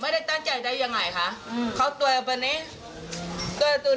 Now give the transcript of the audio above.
ไม่ได้ตั้งใจได้ยังไงพี่ดูสิ